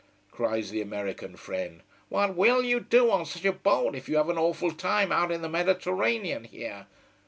cries the American friend. "What will you do on such a boat if you have an awful time out in the Mediterranean here?